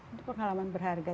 itu pengalaman berharga